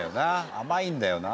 甘いんだよな。